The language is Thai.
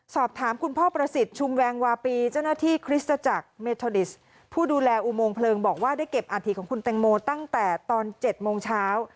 สอบถามคุณพ่อประสิทธิ์ชุมแวงวาปีเจ้าหน้าที่คริสตจักรเมทอดิสผู้ดูแลอุโมงเพลิงบอกว่าได้เก็บอาถิของคุณแตงโมตั้งแต่ตอน๗โมงเช้า